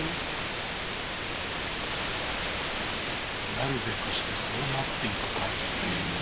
なるべくしてそうなっていく感じっていう。